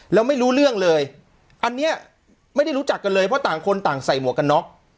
แล้วไม่รู้เรื่องเลยอันนี้ไม่ได้รู้จักกันเลยเพราะต่างคนต่างใส่หมวกกันน็อก